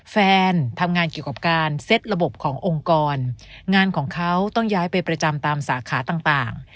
แฟนทำงานเกี่ยวกับการเซ็ตระบบขององค์กรงานของเขาต้องย้ายไปประจำตามสาขาต่าง